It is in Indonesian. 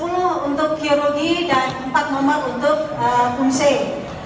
sepuluh untuk kinergi dan empat nomor untuk kumseh